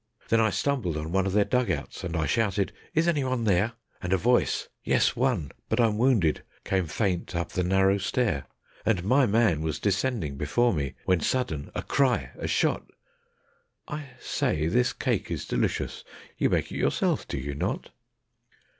Then I stumbled on one of their dug outs, and I shouted: "Is anyone there?" And a voice, "Yes, one; but I'm wounded," came faint up the narrow stair; And my man was descending before me, when sudden a cry! a shot! (I say, this cake is delicious. You make it yourself, do you not?)